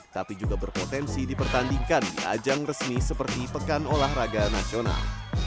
tapi juga berpotensi dipertandingkan di ajang resmi seperti pekan olahraga nasional